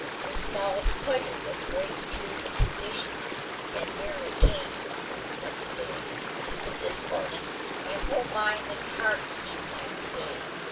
The smallest pleasure would break through the conditions that merely came of such a day. But this morning my whole mind and heart seemed like the day.